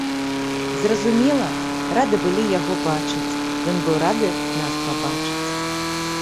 Зразумела, рады былі яго бачыць, ён быў рады нас пабачыць.